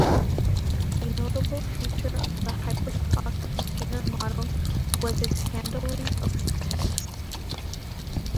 A notable feature of the HyperTalk container model was its handling of text.